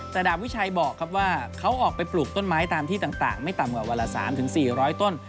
แต่ดาบวิชัยบอกครับว่าเขาออกไปปลูกต้นไม้ตามที่ต่างไม่ต่ำกว่าวันละ๓๔๐๐ต้น